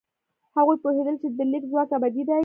هغوی پوهېدل چې د لیک ځواک ابدي دی.